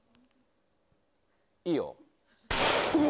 いいよ。